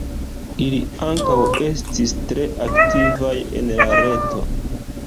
Ili ankaŭ estis tre aktivaj en la reto.